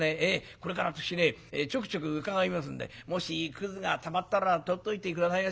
これから私ちょくちょく伺いますんでもしくずがたまったら取っといて下さいまし。